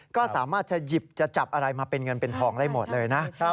ก็สามารถจะหยิบจะจับอะไรมาเป็นเงินเป็นทองได้หมดเลยนะ